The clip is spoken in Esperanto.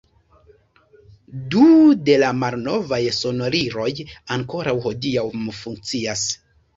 Du de la malnovaj sonoriloj ankoraŭ hodiaŭ funkcias.